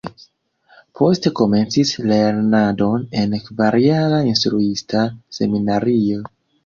Poste komencis lernadon en kvarjara Instruista Seminario.